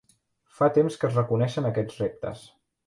Fa temps que es reconeixen aquests reptes.